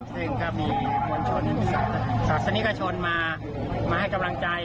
ซึ่งก็มีมวลชนศาสนิกชนมาให้กำลังใจ